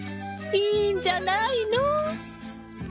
いいんじゃないの？